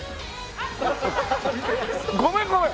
ごめんごめん！